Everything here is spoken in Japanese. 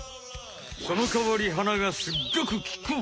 そのかわり鼻がすっごくきく！